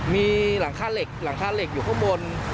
มีหลังคาเหล็กอยู่ข้างบน